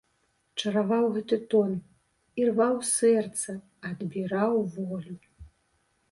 Чараваў гэты тон, ірваў сэрца, адбіраў волю.